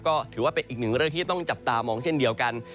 ก็ถือว่าเป็นอีกหนึ่งเรื่องที่ต้องจับตามองเช่นเดียวกัน